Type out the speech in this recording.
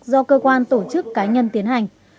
do cơ quan tổ chức cá nhân tiến hành